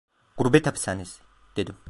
"Gurbet hapishanesi!" dedim…